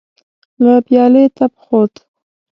له پيالې تپ خوت.